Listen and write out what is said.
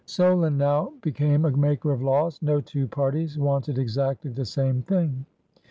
Solon now became a maker of laws. No two parties wanted exactly the same thing.